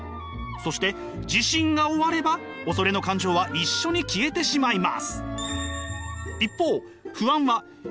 そして地震が終われば恐れの感情は一緒に消えてしまいます。